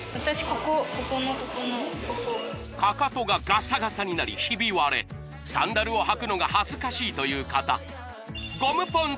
ここここのとこのかかとがガサガサになりひび割れサンダルを履くのが恥ずかしいという方ゴムポン